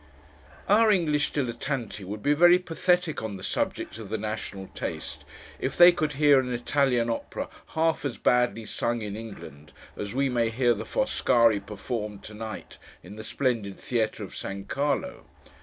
Our English dilettanti would be very pathetic on the subject of the national taste, if they could hear an Italian opera half as badly sung in England as we may hear the Foscari performed, to night, in the splendid theatre of San Carlo.